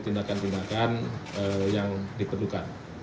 tindakan tindakan yang diperlukan